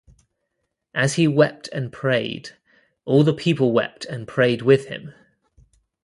As he wept and prayed, all the people wept and prayed with him.